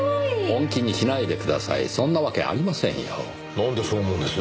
なんでそう思うんです？